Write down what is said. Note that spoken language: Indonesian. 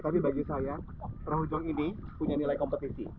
tapi bagi saya perahu jong ini punya nilai kompetisi